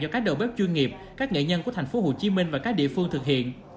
do các đầu bếp chuyên nghiệp các nghệ nhân của tp hcm và các địa phương thực hiện